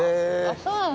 そうなの？